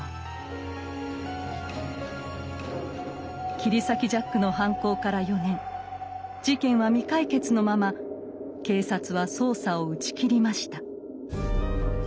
切り裂きジャックの犯行から４年事件は未解決のまま警察は捜査を打ち切りました。